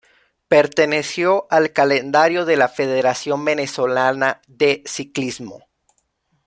Perteneció al calendario de la Federación Venezolana de Ciclismo.